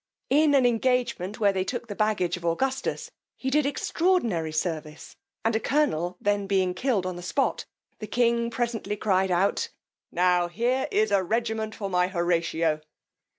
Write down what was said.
In an engagement where they took the baggage of Augustus, he did extraordinary service; and a colonel then being killed on the spot, the king presently cried out, Now here is a regiment for my Horatio.